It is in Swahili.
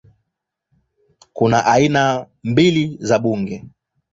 Kuna aina mbili za bunge